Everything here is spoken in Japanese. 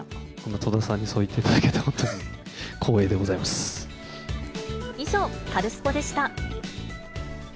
戸田さんにそう言っていただ以上、カルスポっ！でした。